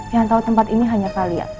jangan tahu tempat ini hanya kalian